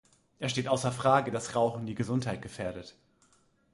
Es steht außer Frage, dass Rauchen die Gesundheit gefährdet.